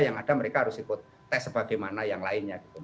yang ada mereka harus ikut tes bagaimana yang lainnya